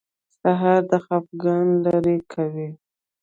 سهار د خفګان لرې کوي.